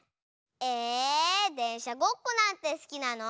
えでんしゃごっこなんてすきなの？